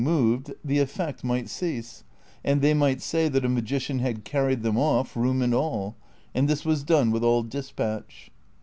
moved, the effect might cease), and they might say that a magician had carried them off, room and all ; and this was done with all despatch.